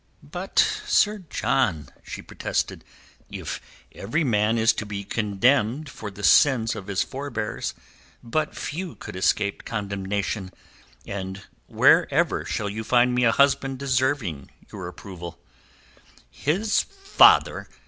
"But, Sir John," she protested, "if every man is to be condemned for the sins of his forbears, but few could escape condemnation, and wherever shall you find me a husband deserving your approval?" "His father...."